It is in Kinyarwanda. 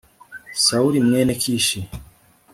sawuli mwene kishi